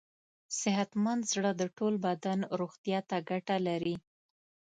صحتمند زړه د ټول بدن روغتیا ته ګټه لري.